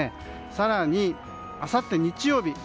更にあさって日曜日。